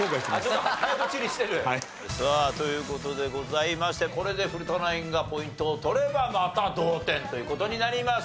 ちょっと早とちりしてる？さあという事でございましてこれで古田ナインがポイントを取ればまた同点という事になります。